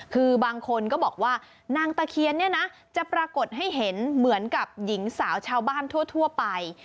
คือบางคนก็บอกว่านางตะเคียนเนี่ยนะจะปรากฏให้เห็นเหมือนกับหญิงสาวชาวบ้านทั่วไป